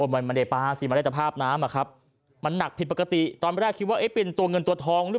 นัดผิดปรากฏตอนแรกคิดว่าเป็นตัวเหนือหรือเปล่า